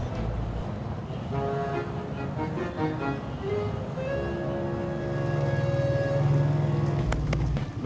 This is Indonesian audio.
makasih mas pur